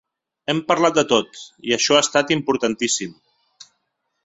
Hem parlat de tot, i això ha estat importantíssim.